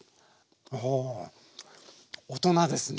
お大人ですね。